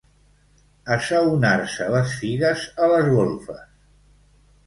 Assaonar-se les figues a les golfes.